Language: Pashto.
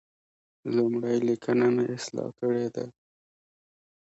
لومړۍ لیکنه مې اصلاح کړې ده.